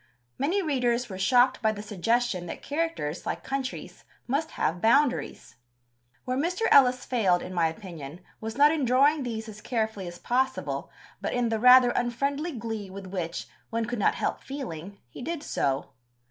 Many readers were shocked by the suggestion that characters, like countries, must have boundaries. Where Mr. Ellis failed, in my opinion, was not in drawing these as carefully as possible, but in the rather unfriendly glee with which, one could not help feeling, he did so.